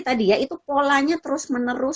tadi ya itu polanya terus menerus